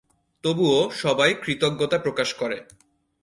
তবুও সবাই কৃতজ্ঞতা প্রকাশ করে।